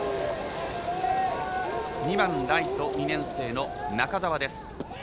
２番ライト、２年生の中澤です。